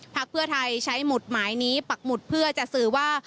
เพื่อไทยใช้หมุดหมายนี้ปักหมุดเพื่อจะสื่อว่า